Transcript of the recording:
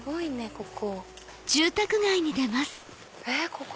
ここ。